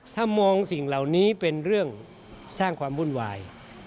ถ้ามองสิ่งเหล่านี้เป็นเรื่องสร้างความวุ่นวาย